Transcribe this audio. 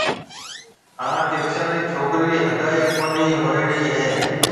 هانَ ڪرشن رِي ڇوڪرِي رِي هگائي ڪونِي هوئيوڙِي هيَ۔